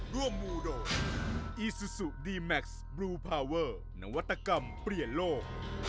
มูโดยอีซูซูดีแม็กซ์บลูพาเวอร์นวัตกรรมเปลี่ยนโลก